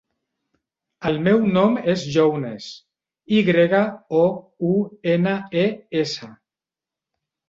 El meu nom és Younes: i grega, o, u, ena, e, essa.